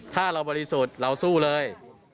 ถ้าเราบริสุทธิ์เราสู้เลย